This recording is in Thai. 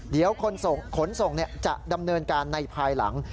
เดี๋ยวขนส่งจะดำเนินการในภายหลัง